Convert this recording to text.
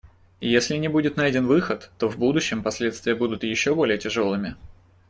Если не будет найден выход, то в будущем последствия будут еще более тяжелыми.